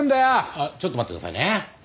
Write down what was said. あっちょっと待ってくださいね。